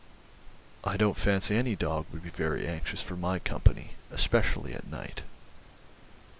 "I don't fancy any dog would be very anxious for my company, especially at night."